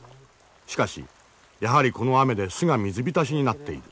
しかしやはりこの雨で巣が水浸しになっている。